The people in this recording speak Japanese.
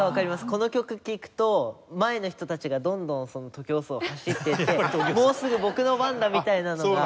この曲聴くと前の人たちがどんどん徒競走走っていってもうすぐ僕の番だみたいなのが。